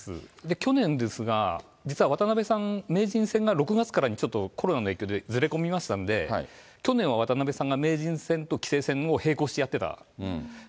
去年ですが、実は渡辺さん、名人戦が６月からにちょっとコロナの影響で、ずれ込みましたんで、去年は渡辺さんが名人戦と棋聖戦を並行してやってた。